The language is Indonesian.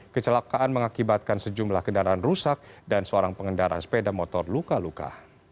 kecelakaan mengakibatkan sejumlah kendaraan rusak dan seorang pengendara sepeda motor luka luka